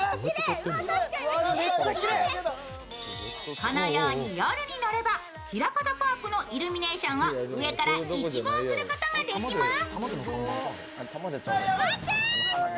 このように夜に乗ればひらかたパークのイルミネーションを上から一望することができます。